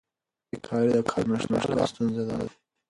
بیکاري د کار نشتوالي ستونزه ده.